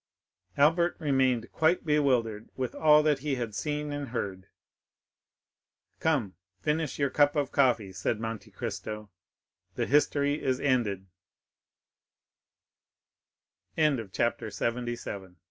Albert remained quite bewildered with all that he had seen and heard. "Come, finish your cup of coffee," said Monte Cristo; "the history is en